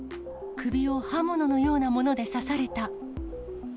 首を刃物のようなもので刺された。